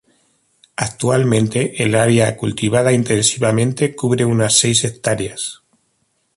Actualmente el área cultivada intensivamente cubre unas seis hectáreas.